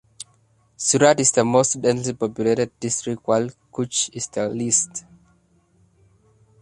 Surat is the most densely populated district while Kutch is the least.